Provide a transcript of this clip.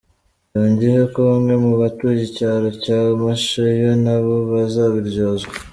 Yongeyeho ko bamwe mu batuye icyaro cya Masheye na bo bazabiryozwa.